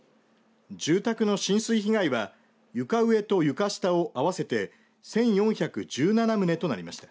住宅の浸水被害は床上と床下を合わせて１４１７棟となりました。